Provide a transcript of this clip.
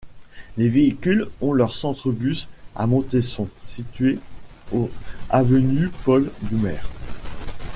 Les véhicules ont leur centre-bus à Montesson, situé au avenue Paul-Doumer.